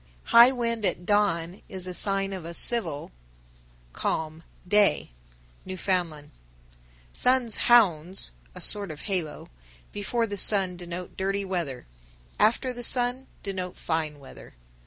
985. High wind at dawn is a sign of a "civil" (calm) day. Newfoundland. 986. Sun's "hounds" (a sort of halo) before the sun denote dirty weather; after the sun, denote fine weather.